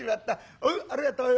おうありがとうよ。